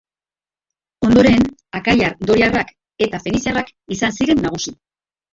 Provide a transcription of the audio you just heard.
Ondoren akaiar-doriarrak eta feniziarrak izan ziren nagusi.